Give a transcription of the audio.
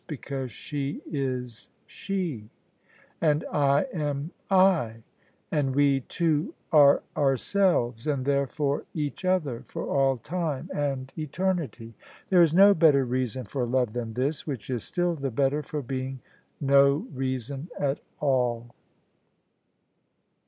because She is She, and I am I, and we two are ourselves — and therefore each other — for all time and eter nity. There is no better reason for love than this : which is still the better for being no reason at all.